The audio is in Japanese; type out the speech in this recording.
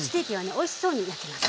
おいしそうに焼けます。